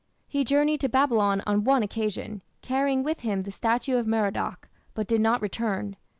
He journeyed to Babylon on one occasion, carrying with him the statue of Merodach, but did not return.